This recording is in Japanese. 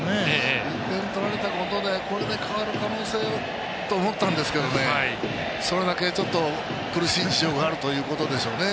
１点取られたことでこれで代わる可能性と思ったんですけどそれだけ、苦しい事情があるということですね。